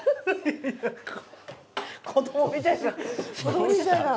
子どもみたいな。